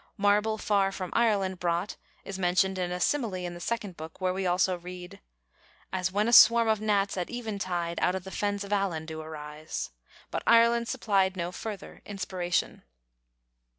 "Marble far from Ireland brought" is mentioned in a simile in the second Book, where we also read: As when a swarme of gnats at eventide Out of the fennes of Allan do arise. But Ireland supplied no further inspiration.